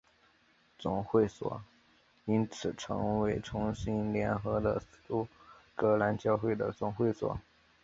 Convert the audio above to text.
总会所因此成为重新联合的苏格兰教会的总会所。